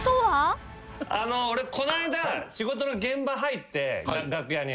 俺この間仕事の現場入って楽屋に。